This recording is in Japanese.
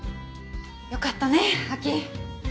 よかったね亜季！